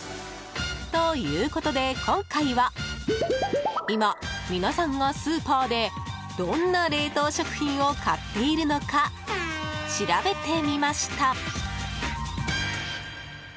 ということで今回は今、皆さんがスーパーでどんな冷凍食品を買っているのか調べてみました。